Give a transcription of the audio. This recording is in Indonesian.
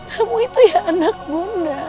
kamu itu ya anak bunda